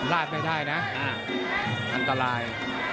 ลาดไม่ได้นะอันตราย